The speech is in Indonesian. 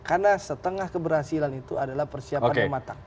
karena setengah keberhasilan itu adalah persiapan yang matang